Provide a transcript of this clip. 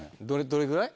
どれぐらい？